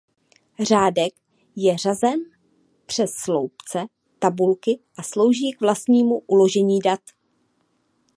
Řádek je řezem přes sloupce tabulky a slouží k vlastnímu uložení dat.